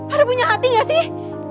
harus punya hati gak sih